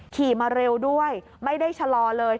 ขี่มาเร็วด้วยไม่ได้ชะลอเลย